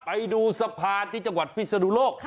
ไปดูสะพานที่จังหวัดพิศนุโลก